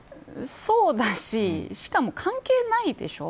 そうだし、しかも関係ないでしょ。